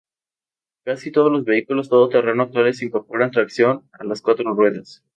Casi todos los vehículos todoterreno actuales incorporan tracción a las cuatro ruedas.